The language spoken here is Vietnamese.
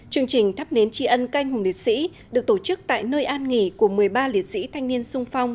chương trình thắp nến tri ân canh hùng liệt sĩ được tổ chức tại nơi an nghỉ của một mươi ba liệt sĩ thanh niên sung phong